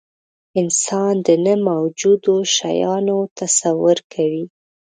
انسان د نه موجودو شیانو تصور کوي.